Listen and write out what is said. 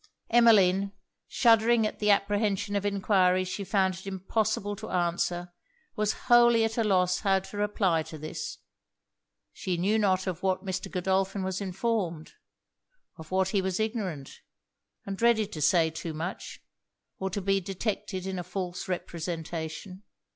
Emmeline, shuddering at the apprehension of enquiries she found it impossible to answer, was wholly at a loss how to reply to this. She knew not of what Mr. Godolphin was informed of what he was ignorant; and dreaded to say too much, or to be detected in a false representation.